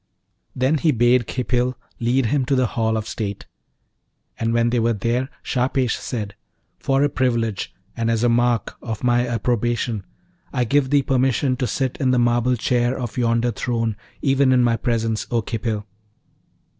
Then he bade Khipil lead him to the hall of state. And when they were there Shahpesh said, 'For a privilege, and as a mark of my approbation, I give thee permission to sit in the marble chair of yonder throne, even in my presence, O Khipil.'